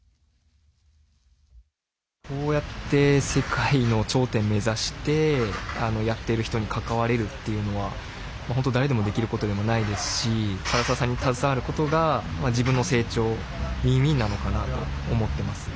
こうやって世界の頂点を目指してやっている人に関われるというのは誰でもできることではないですし唐澤さんに携わることが自分の成長にウィンウィンになるのかなと思っています。